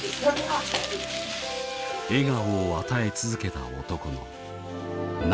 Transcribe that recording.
笑顔を与え続けた男の涙